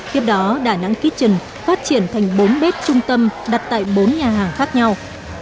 tiếp đó đà nẵng kitchen phát triển thành bốn bếp trung tâm đặt tại bốn nhà hàng khác nhau